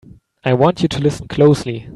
I want you to listen closely!